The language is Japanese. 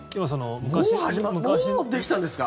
もう始まもうできたんですか？